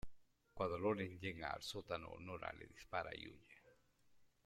Cuando Loren llega al sótano, Nora le dispara y huye.